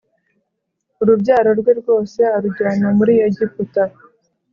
Urubyaro rwe rwose arujyana muri Egiputa